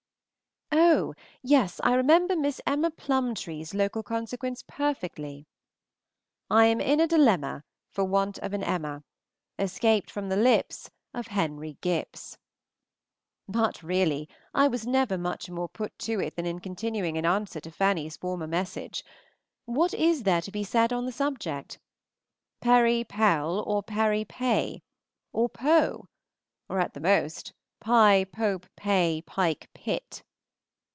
Oh! yes, I remember Miss Emma Plumbtree's local consequence perfectly. I am in a dilemma, for want of an Emma, Escaped from the lips of Henry Gipps. But, really, I was never much more put to it than in continuing an answer to Fanny's former message. What is there to be said on the subject? Pery pell, or pare pey? or po; or at the most, Pi, pope, pey, pike, pit.